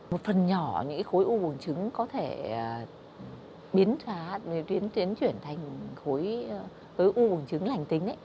một phần nhỏ những cái khối u bùng trứng có thể biến trả biến chuyển thành khối u bùng trứng lành tính ấy